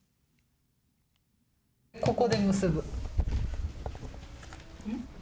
ここで結ぶ。